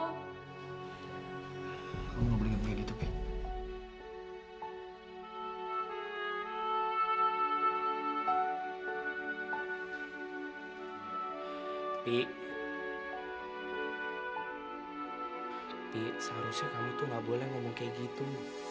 pi seharusnya kamu tuh gak boleh ngomong kayak gitu